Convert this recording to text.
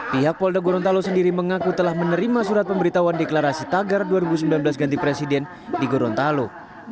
pihak polda gorontalo sendiri mengaku telah menerima surat pemberitahuan deklarasi tagar dua ribu sembilan belas ganti presiden di gorontalo